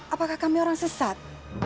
apakah kami orang sesat